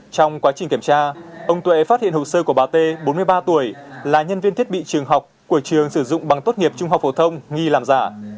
trong quá trình kiểm tra ông tuệ phát hiện hồ sơ của bà tê bốn mươi ba tuổi là nhân viên thiết bị trường học của trường sử dụng bằng tốt nghiệp trung học phổ thông nghi làm giả